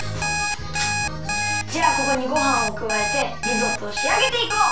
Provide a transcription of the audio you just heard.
じゃあここにごはんをくわえてリゾットをしあげていこう！